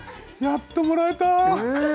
やっともらえた。